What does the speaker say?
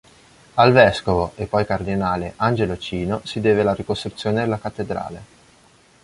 Al vescovo, e poi cardinale, Angelo Cino si deve la ricostruzione della cattedrale.